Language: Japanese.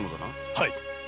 はい。